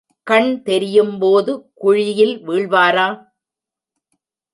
கண் தெரியும்போது குழியில் வீழ்வாரா?